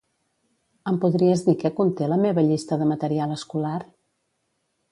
Em podries dir què conté la meva llista de material escolar?